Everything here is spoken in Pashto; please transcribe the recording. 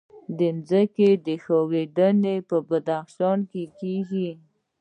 د ځمکې ښویدنه په بدخشان کې کیږي